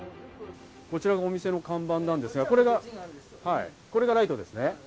こちらのお店の看板なんですが、これがライトですね。